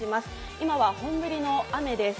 今は本降りの雨です。